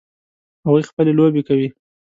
هغوی خپلې لوبې کوي